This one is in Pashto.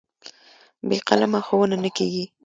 بې قلمه ښوونه نه کېږي.